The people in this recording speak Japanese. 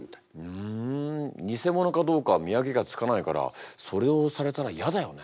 ふん偽ものかどうか見分けがつかないからそれをされたら嫌だよね。